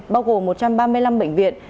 bao gồm một trăm ba mươi năm bệnh viện